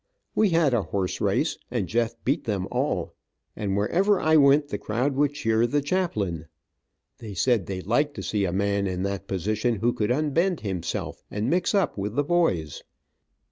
We had a horse race, and Jeff beat them all, and wherever I went the crowd would cheer the chaplain. They said they liked to see a man in that position who could unbend himself and mix up with the boys.